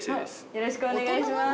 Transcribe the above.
よろしくお願いします。